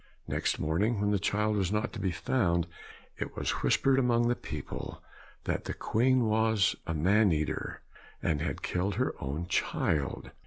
Next morning when the child was not to be found, it was whispered among the people that the Queen was a man eater, and had killed her own child.